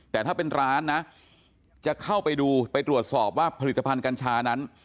แต่ถ้าเป็นร้านนะจะเข้าไปดูไปตรวจสอบว่าผลิตภัณฑ์กัญชานั้น